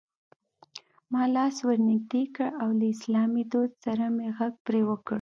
ما لاس ور نږدې کړ او له افغاني دود سره مې غږ پرې وکړ: